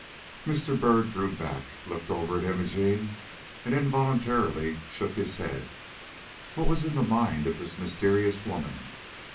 Mr. Byrd drew back, looked over at Imogene, and involuntarily shook his head. What was in the mind of this mysterious woman?